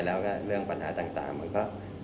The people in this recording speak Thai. แล้วก็เรื่องปัญหาต่างมันก็